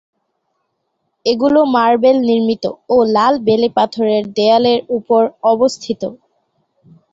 এগুলো মার্বেল নির্মিত ও লাল বেলেপাথরের দেয়ালের উপর অবস্থিত।